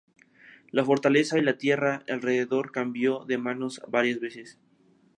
La fortaleza y la tierra alrededor cambió de manos varias veces.